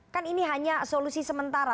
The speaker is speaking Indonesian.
kan ini hanya solusi sementara